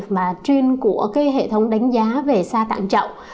mà chuyên của cái hệ thống đánh giá về sa tạng trậu